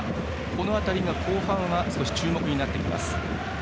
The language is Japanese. この辺りが後半は少し注目になってきます。